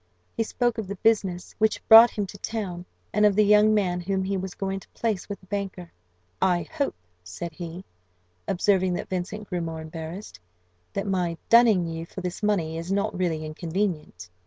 He spoke of the business which brought him to town, and of the young man whom he was going to place with a banker. "I hope," said he, observing that Vincent grew more embarrassed, "that my dunning you for this money is not really inconvenient."